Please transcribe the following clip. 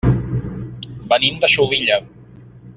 Venim de Xulilla.